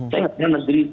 saya nggak pernah negeri